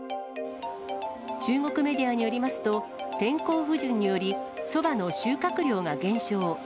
中国メディアによりますと、天候不順により、そばの収穫量が減少。